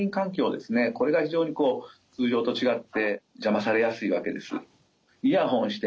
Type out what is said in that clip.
これが非常に通常と違って邪魔されやすいわけです。